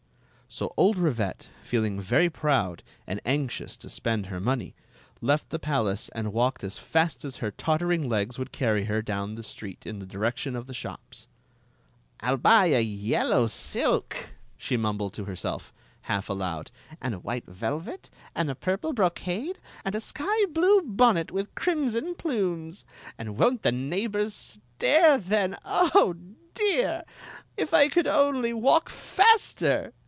So old Rivette, feeling very proud and anxious to spend her money, left the palace and walked as fast as her tottering legs would carry her down the street Story ot the Magic Cloak in the direction of the shops. " I '11 buy a yellow silk,' she mumbled to herself, half aloud, "and a white velvet, and a purple brocade, and a sky blue bonnet with crimson plumes! And won't the neigh bors stare then? Oh. dear! If I could only walk faster